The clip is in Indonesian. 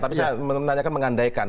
tapi saya menanyakan mengandaikan